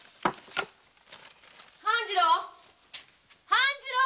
半次郎！